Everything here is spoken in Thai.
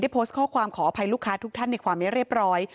โพสต์ข้อความขออภัยลูกค้าทุกท่านในความไม่เรียบร้อย